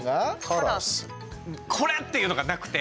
これっていうのがなくて。